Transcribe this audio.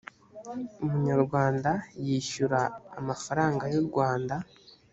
umunyarwanda yishyura amafaranga y urwanda